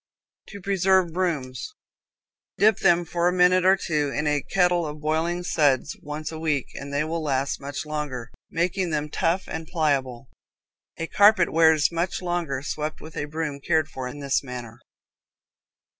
To Preserve Brooms. Dip them for a minute or two in a kettle of boiling suds once a week and they will last much longer, making them tough and pliable. A carpet wears much longer swept with a broom cared for in this manner.